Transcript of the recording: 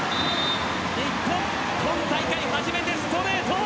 日本、今大会初めてストレート！